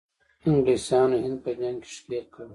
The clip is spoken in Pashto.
انګلیسانو هند په جنګ کې ښکیل کړ.